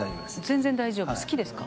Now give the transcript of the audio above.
「全然大丈夫」好きですか？